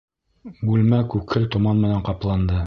Бүлмә күкһел томан менән ҡапланды.